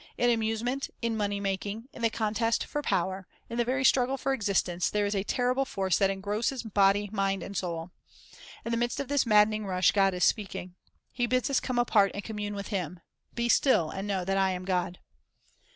In amusement, in money making, in the contest for power, in the very struggle for existence, there is a terrible force that engrosses body and mind and soul. In the midst of this mad dening rush, God is speaking. He bids us come apart and commune with Him. "Be still, and know that 1 am God.